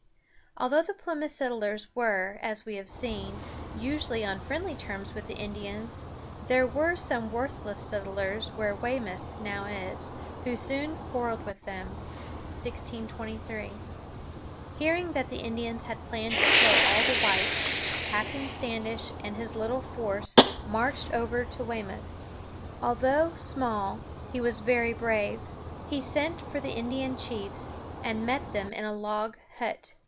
Although the Plymouth settlers were, as we have seen, usually on friendly terms with the Indians, there were some worthless settlers where Weymouth (wā´mŭth) now is, who soon quarreled with them (1623). Hearing that the Indians had planned to kill all the whites, Captain Standish and his little force marched over to Weymouth. Though small, he was very brave. He sent for the Indian chiefs, and met them in a log hut.